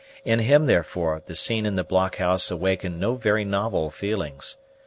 In him, therefore, the scene in the blockhouse awakened no very novel feelings.